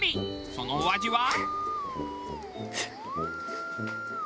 そのお味は？